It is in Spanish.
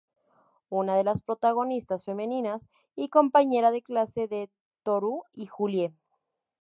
Una de las protagonistas femeninas y compañera de clase de Tōru y Julie.